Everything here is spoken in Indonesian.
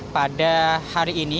pada hari ini